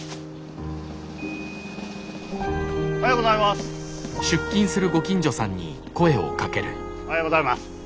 おはようございます。